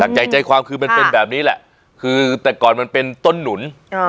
ใหญ่ใจความคือมันเป็นแบบนี้แหละคือแต่ก่อนมันเป็นต้นหนุน